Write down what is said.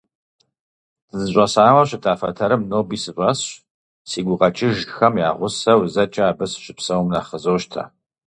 ДызыщӀэсауэ щыта фэтэрым ноби сыщӀэсщ, си гукъэкӀыжхэм я гъусэу зэкӀэ абы сыщыпсэум нэхъ къызощтэ.